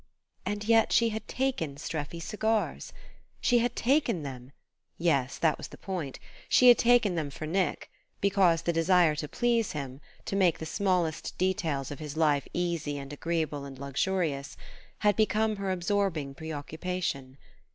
And yet she had taken Streffy's cigars! She had taken them yes, that was the point she had taken them for Nick, because the desire to please him, to make the smallest details of his life easy and agreeable and luxurious, had become her absorbing preoccupation.